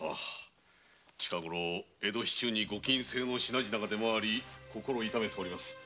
近ごろ江戸市中にご禁制の品々が出回り心を痛めております。